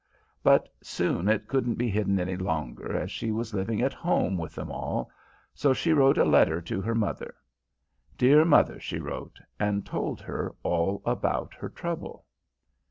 But soon it couldn't be hidden any longer as she was living at home with them all, so she wrote a letter to her mother. 'Dear Mother,' she wrote, and told her all about her trouble.